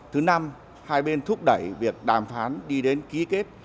thứ năm hai bên thúc đẩy việc đàm phán đi đến ký kết